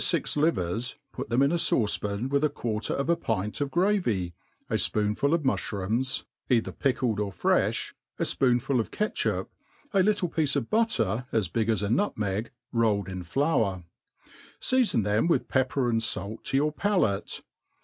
fix livers, put them inafauce pan with a quarter of a pint of gra* vy, afpoonful of mu(hroom$, either pickled or frefb, a fpoonful of catchup, a little piece of butter as big as a nutmeg, rolled in flour; feafon them with pepper and fait to your palate.